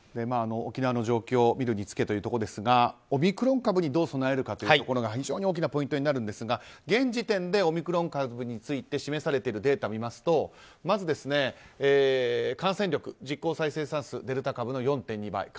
沖縄の状況を見るにつけというところですがオミクロン株にどう備えるかというところが大きなポイントになりますが現時点でオミクロン株について示されているデータを見ますとまず感染力、実効再生産数デルタ株の４．２倍。